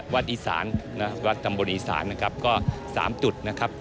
วัดอีสานวัดสำบวนอีสานก็๓จุด